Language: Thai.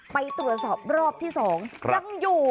ไปตรวจสอบรอบที่๒ยังอยู่